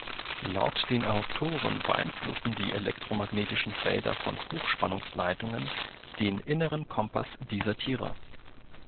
Laut den Autoren beeinflussen die elektromagnetischen Felder von Hochspannungsleitungen den „inneren Kompass“ dieser Tiere.